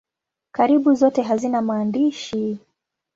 Karibu zote hazina maandishi.